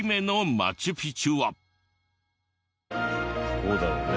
どうだろうね。